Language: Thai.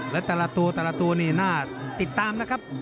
แล้วแต่ละตัวนี่น่าติดตามนะครับ